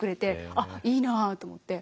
あっいいなと思って。